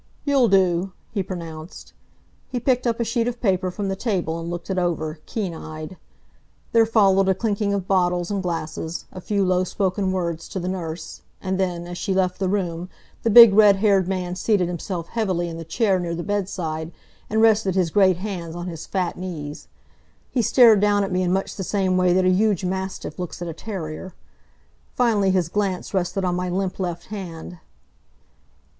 "You'll do," he pronounced. He picked up a sheet of paper from the table and looked it over, keen eyed. There followed a clinking of bottles and glasses, a few low spoken words to the nurse, and then, as she left the room the big red haired man seated himself heavily in the chair near the bedside and rested his great hands on his fat knees. He stared down at me in much the same way that a huge mastiff looks at a terrier. Finally his glance rested on my limp left hand.